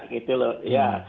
gitu loh ya